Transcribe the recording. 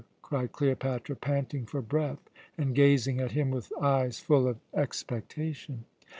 cried Cleopatra, panting for breath and gazing at him with eyes full of expectation.